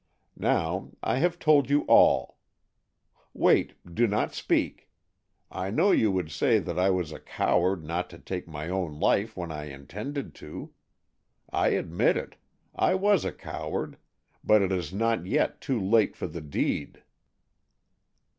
Now I have told you all. Wait—do not speak! I know you would say that I was a coward not to take my own life when I intended to. I admit it; I was a coward, but it is not yet too late for the deed!"